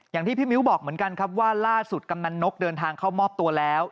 อย่างที่พี่มิ้วบอกเหมือนกันครับว่าล่าสุดกำนันนกเดินทางเข้ามอบตัวแล้ว